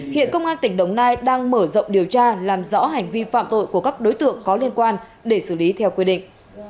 hiện công an tỉnh đồng nai đang mở rộng điều tra làm rõ hành vi phạm tội của các đối tượng có liên quan để xử lý theo quy định